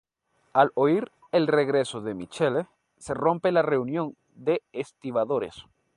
Al oír el regreso de Michele se rompe la reunión de estibadores.